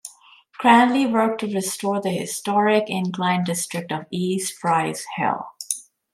Cranley worked to restore the historic Incline District of East Price Hill.